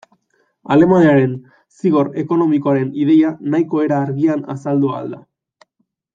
Alemaniaren zigor ekonomikoaren ideia nahiko era argian azaldu ahal da.